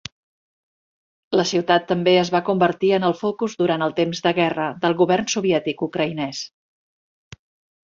La ciutat també es va convertir en el focus durant el temps de guerra del govern soviètic ucraïnès.